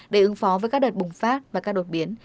để ứng phó với các đợt bùng phát và các đột biến